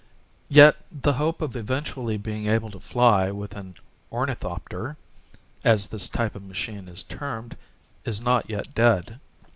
Yet the hope of eventually being able to fly with an "ornithopter," as this type of machine is termed, is not yet dead.